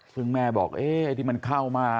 คือแม่บอกเอ๊ะไอ้ที่มันเข้ามา